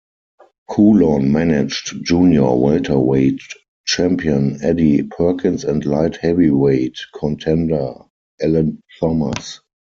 Coulon managed junior welterweight champion Eddie Perkins and light-heavyweight contender Allen Thomas.